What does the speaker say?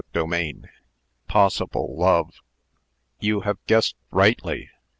CHAPTER II. POSSIBLE LOVE. "You have guessed rightly.